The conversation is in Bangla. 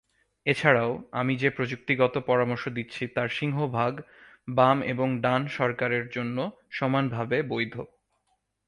এছাড়াও, আমি যে প্রযুক্তিগত পরামর্শ দিচ্ছি তার সিংহভাগ বাম এবং ডান সরকারের জন্য সমানভাবে বৈধ।